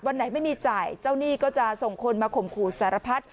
วันไหนไม่มีจ่ายเจ้าหนี้ก็จะส่งคนมาข่มขู่สารพัด